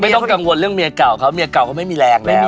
ต้องกังวลเรื่องเมียเก่าเขาเมียเก่าเขาไม่มีแรงแล้ว